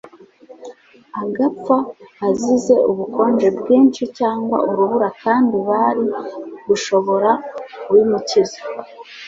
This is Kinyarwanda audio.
agapfa azize ubukonje bwinshi cyangwa urubura kandi bari gushobora kubimukiza?